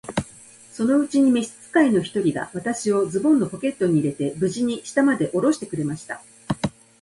そのうちに召使の一人が、私をズボンのポケットに入れて、無事に下までおろしてくれました。